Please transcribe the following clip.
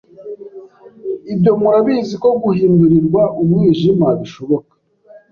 Ibyo murabizi ko guhindurirwa umwijima bishoboka